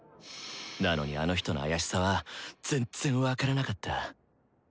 なのにあの人の怪しさは全然分からなかった。